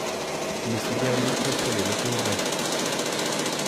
Mais ce dernier contrôlait le Congrès.